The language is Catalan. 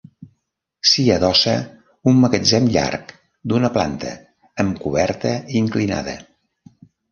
S'hi adossa un magatzem llarg, d’una planta, amb coberta inclinada.